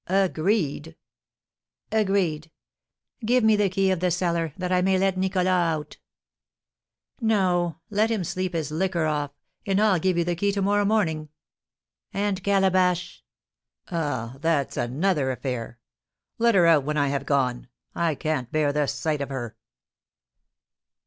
"Agreed!" "Agreed! Give me the key of the cellar, that I may let Nicholas out!" "No; let him sleep his liquor off, and I'll give you the key to morrow morning." "And Calabash?" "Ah, that's another affair! Let her out when I have gone. I can't bear the sight of her."